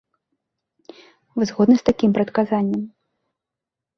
Вы згодны з такім прадказаннем?